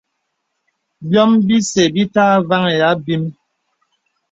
Bīòm bìsə bítà àvāŋhī àbīm.